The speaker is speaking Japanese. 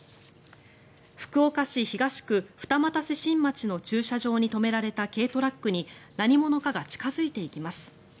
福岡市東区二又瀬新町の駐車場に止められた軽トラックに何者かが近付いていきます。